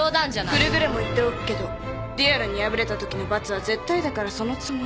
くれぐれも言っておくけど決闘に敗れたときの罰は絶対だからそのつもりで